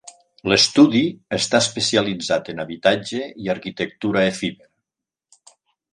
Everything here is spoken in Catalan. L’estudi està especialitzat en habitatge i arquitectura efímera.